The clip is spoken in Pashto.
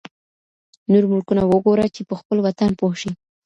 نور ملکونه وګوره چي په خپل وطن پوه شې.